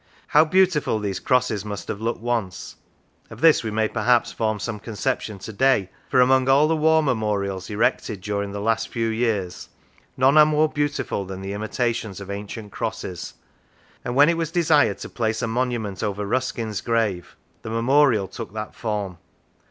How beautiful these crosses must have looked once of this we may perhaps form some conception to day, for among all the war memorials erected during the last few years, none are more beautiful than the imitations of ancient crosses; and when it was desired to place a monument over Ruskin's grave, the memorial took that form.